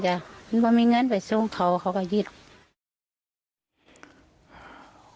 ก็จะออกไปคนที่มีเงินไปสู้กับเขาให้ร่้อ